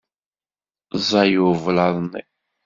Ẓẓay ublaḍ-nni.